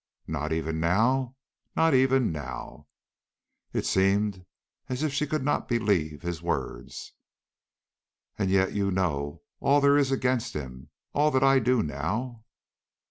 "Not even now?" "Not even now." It seemed as if she could not believe his words. "And yet you know all there is against him; all that I do now!"